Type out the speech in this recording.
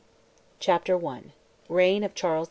CHAPTER I. REIGN OF CHARLES II.